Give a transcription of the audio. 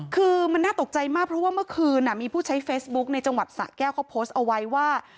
คือมันน่าตกใจมากเพราะว่าเมื่อคืนมีผู้ใช้เฟซบุ๊คในจังหวัดสะแก้วเขาโพสต์เอาไว้ว่า